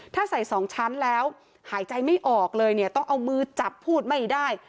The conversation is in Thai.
ถ้าใส่๒ชั้นแล้วหายใจไม่ออกเลยเนี่ยต้องเอามือจับพูดไม่ได้